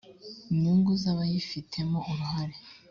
nyungu z abayifitemo uruhare